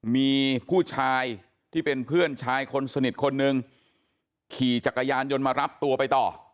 มีผู้ชายที่เป็นเพื่อนชายคนสนิทคนหนึ่งขี่จักรยานยนต์มารับตัวไปต่อ